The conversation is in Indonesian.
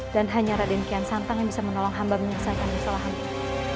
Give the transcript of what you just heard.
dan hanya raden kian santang yang bisa menolong hamba menyelesaikan masalahnya